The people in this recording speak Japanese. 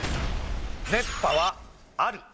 「熱波」はある。